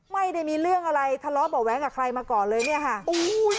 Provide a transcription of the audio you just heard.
ไม่ได้มีเรื่องอะไรทะเลาะเบาะแว้งกับใครมาก่อนเลยเนี่ยค่ะอุ้ย